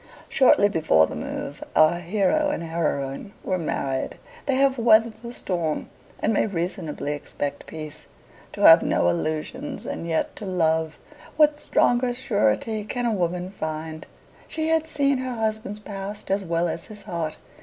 Shortly before the move, our hero and heroine were married. They have weathered the storm, and may reasonably expect peace. To have no illusions and yet to love what stronger surety can a woman find? She had seen her husband's past as well as his heart.